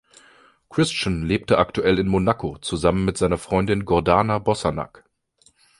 Christian lebt aktuell in Monaco zusammen mit seiner Freundin Gordana Bosanac.